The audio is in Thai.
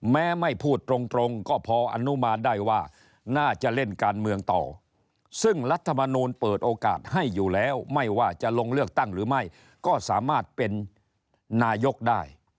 ไม่พูดตรงก็พออนุมานได้ว่าน่าจะเล่นการเมืองต่อซึ่งรัฐมนูลเปิดโอกาสให้อยู่แล้วไม่ว่าจะลงเลือกตั้งหรือไม่ก็สามารถเป็นนายกได้